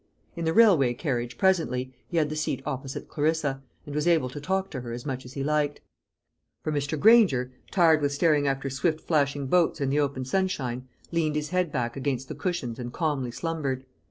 In the railway carriage, presently, he had the seat opposite Clarissa, and was able to talk to her as much as he liked; for Mr. Granger, tired with staring after swift flashing boats in the open sunshine, leaned his head back against the cushions and calmly slumbered.